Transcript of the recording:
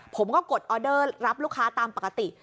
กดออเดอร์รับลูกค้าตามปกติ